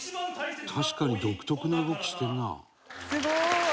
確かに独特な動きしてるな」